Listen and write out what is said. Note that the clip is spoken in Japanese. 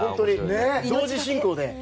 同時進行で。